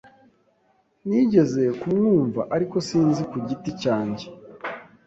Nigeze kumwumva, ariko sinzi ku giti cyanjye.